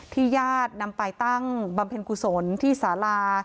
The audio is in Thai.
ญาตินำไปตั้งบำเพ็ญกุศลที่สารา